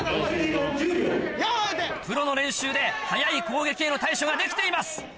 プロの練習で速い攻撃への対処ができています。